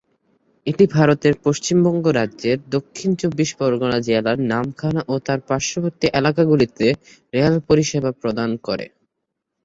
এটি ভারতের পশ্চিমবঙ্গ রাজ্যের দক্ষিণ চব্বিশ পরগনা জেলার নামখানা ও তার পার্শ্ববর্তী এলাকাগুলিতে রেল পরিষেবা প্রদান করে।